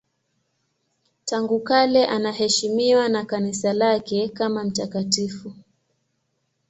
Tangu kale anaheshimiwa na Kanisa lake kama mtakatifu.